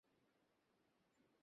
চাচাদের party নাচ।